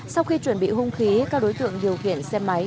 sau khi chuẩn bị hung khí các đối tượng điều khiển xe máy